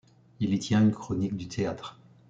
Il y tient une chronique du théâtre.